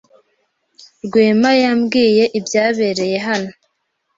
Rwema yambwiye ibyabereye hano.